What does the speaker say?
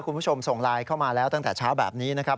คุณผู้ชมส่งไลน์เข้ามาแล้วตั้งแต่เช้าแบบนี้นะครับ